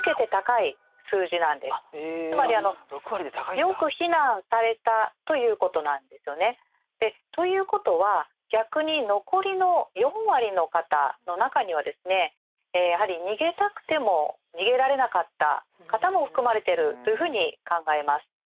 よく避難されたということなんですよね。ということは逆に残りの４割の方の中にはですねやはり逃げたくても逃げられなかった方も含まれているというふうに考えます。